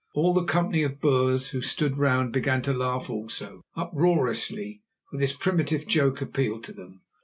All the company of Boers who stood around began to laugh also, uproariously, for this primitive joke appealed to them.